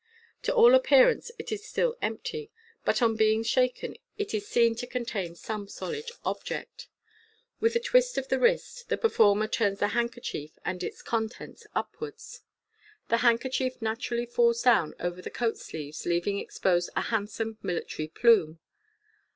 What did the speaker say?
To all appearance it is still empty ; but on being shaken it is seen to contain some solid object. With a twi^t of the ;vrist, the performer turns the handkerchief and its contents upwards. MODERN MAGIC. 255 The handkerchief naturally falls down over the coat sleeve, leaving exposed a handsome military plume.